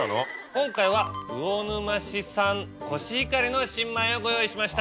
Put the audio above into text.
今回は魚沼市産コシヒカリの新米をご用意しました。